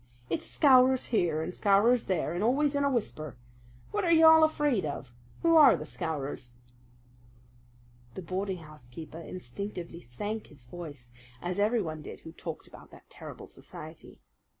It's Scowrers here and Scowrers there, and always in a whisper! What are you all afraid of? Who are the Scowrers?" The boarding house keeper instinctively sank his voice, as everyone did who talked about that terrible society.